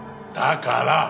だから。